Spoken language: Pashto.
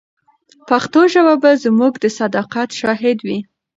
پښتو ژبه به زموږ د صداقت شاهده وي.